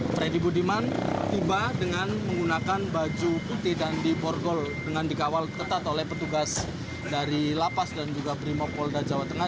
freddy budiman tiba dengan menggunakan baju putih dan diborgol dengan dikawal ketat oleh petugas dari lapas dan juga brimopolda jawa tengah